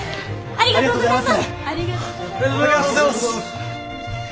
ありがとうございます！